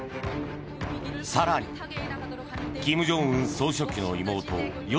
更に、金正恩総書記の妹与